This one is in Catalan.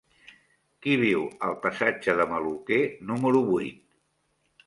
Qui viu al passatge de Maluquer número vuit?